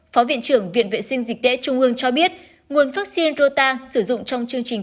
phó viện trưởng viện vệ sinh dịch tễ trung ương cho biết nguồn vaccine rota sử dụng trong chương trình